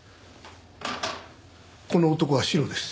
この男はシロです。